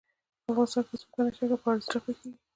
افغانستان کې د ځمکنی شکل په اړه زده کړه کېږي.